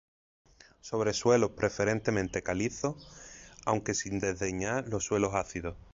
Sobre suelos preferentemente calizos, aunque sin desdeñar los suelos ácidos.